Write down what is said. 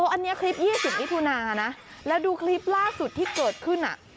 อันนี้คลิป๒๐มิถุนานะแล้วดูคลิปล่าสุดที่เกิดขึ้น